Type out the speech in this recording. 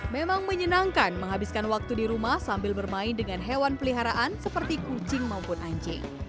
memang menyenangkan menghabiskan waktu di rumah sambil bermain dengan hewan peliharaan seperti kucing maupun anjing